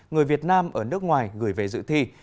người việt nam ở nước ngoài gửi về dự thi